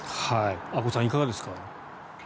阿古さん、いかがですか？